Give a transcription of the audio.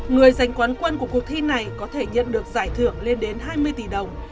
người giành quán quân của cuộc thi này có thể nhận được giải thưởng lên đến hai mươi tỷ đồng